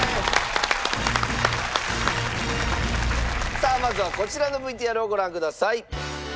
さあまずはこちらのＶＴＲをご覧ください。